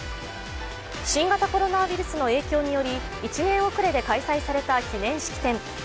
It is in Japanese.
新型コロナウイルスの影響により１年遅れで開催された記念式典。